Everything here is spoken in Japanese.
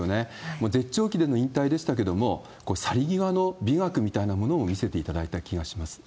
もう絶頂期での引退でしたけれども、去り際の美学みたいなものも見せていただいた気がします。